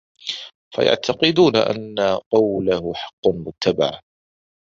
فَيَعْتَقِدُونَ أَنَّ قَوْلَهُ حَقٌّ مُتَّبَعٌ